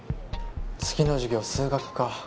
次の授業数学か。